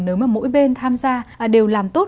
nếu mà mỗi bên tham gia đều làm tốt